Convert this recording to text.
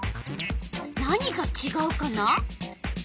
何がちがうかな？